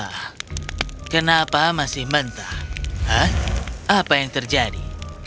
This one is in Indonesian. hah kenapa masih mentah hah apa yang terjadi